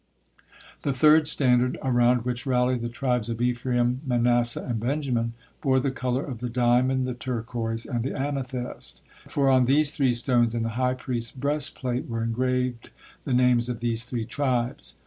The third standard, around which rallied the tribes of Ephraim, Manasseh, and Benjamin, bore the color of the diamond, the turquoise, and the amethyst, for on these three stones in the high priest's breastplate were engrave the names of these three tribes.